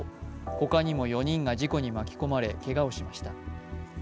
ほかにも４人が事故に巻き込まれけがをしました。